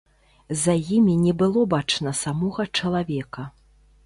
І за імі не было бачна самога чалавека.